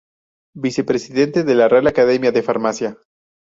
Vicepresidente de la Real Academia de Farmacia.